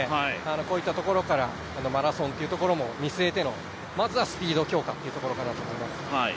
こういったところからマラソンというところも見据えての、まずはスピード強化ということだと思います。